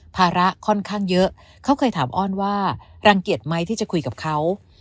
ภาระค่อนข้างเยอะเขาเคยถามอ้อนว่ารังเกียจไหมที่จะคุยกับเขา